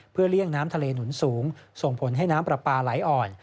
เพื่อเลี่ยงน้ำทะเลหนุนสูงส่งผลให้น้ำปลาปลาไหลอ่อน